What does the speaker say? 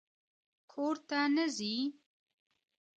_کور ته نه ځې؟